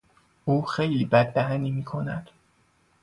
او خیلی بددهنی میکند.